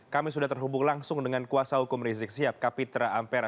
kami sudah terhubung langsung dengan kuasa hukum rizik sihab kapitra ampera